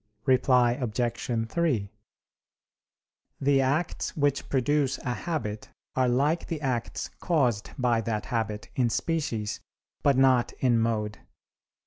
Reply Obj. 3: The acts which produce a habit are like the acts caused by that habit, in species, but not in mode.